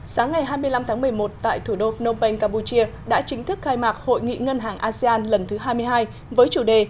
sáng ngày hai mươi năm tháng một mươi một tại thủ đô phnom penh campuchia đã chính thức khai mạc hội nghị ngân hàng asean lần thứ hai mươi hai với chủ đề